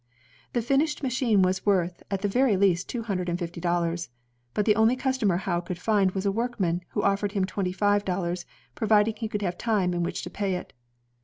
The finished machine was worth at the very least two hundred and fifty dollars. But the only customer Howe could find was a workman, who offered him twenty five dollars, providing he could have time in which to pay it.